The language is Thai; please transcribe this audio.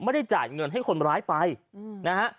ไม่ได้จ่ายเงินให้คนร้ายไปนะฮะ